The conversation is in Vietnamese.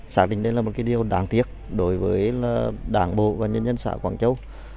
xác định đây là một cái điều đáng tiếc đối với đảng bộ và nhân dân xã quảng châu